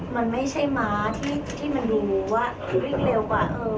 มันไม่ใช่ม้าที่มันดูว่าวิ่งเร็วกว่า